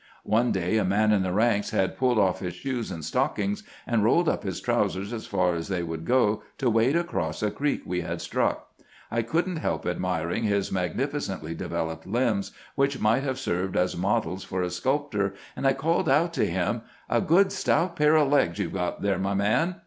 One day a man in the ranks had pulled off his shoes and stockings, and rolled up his trousers as far as they would go, to wade across a creek we had struck. I could n't help admiring his magnifi cently developed limbs, which might have served as models for a sculptor, and I called out to him :' A good stout pair of legs you 've got there, my man.'